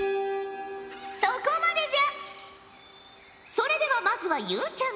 それではまずはゆうちゃみ。